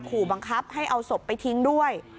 ขู่บังคับให้เอาศพไปทิ้งด้วย